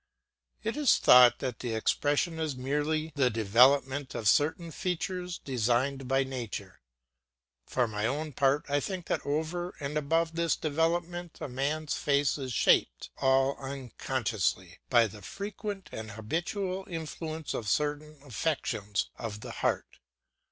It is thought that the expression is merely the development of certain features designed by nature. For my own part I think that over and above this development a man's face is shaped, all unconsciously, by the frequent and habitual influence of certain affections of the heart.